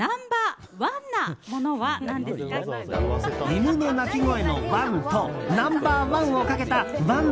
犬の鳴き声のワンとナンバーワンをかけた「ワン」